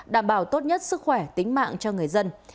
đảm bảo tốt nhất sức khỏe tính mạng cho người dân